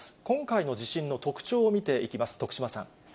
今回の地震の特徴を見ていきます。